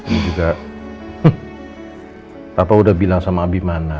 ini juga papa udah bilang sama abimana